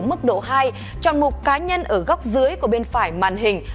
mức độ hai tròn mục cá nhân ở góc dưới của bên phải màn hình